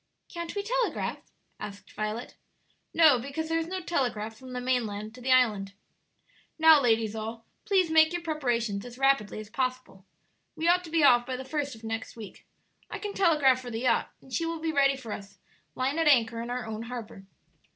"Can't we telegraph?" asked Violet. "No; because there is no telegraph from the mainland to the island. "Now, ladies all, please make your preparations as rapidly as possible. We ought to be off by the first of next week. I can telegraph for the yacht, and she will be ready for us, lying at anchor in our own harbor.